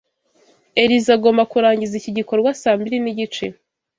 Elyse agomba kurangiza iki gikorwa saa mbiri nigice.